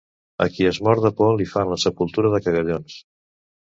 A qui es mor de por li fan la sepultura de cagallons.